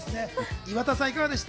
岩田さん、いかがでした？